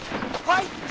はい！